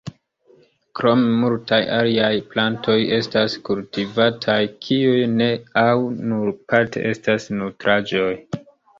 Krome multaj aliaj plantoj estas kultivataj, kiuj ne au nur parte estas nutraĵoj.